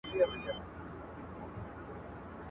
o تر يو خروار زرو، يوه ذره عقل ښه دئ.